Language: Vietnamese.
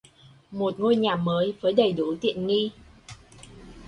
Một ngôi nhà mới với đầy đủ tiện nghi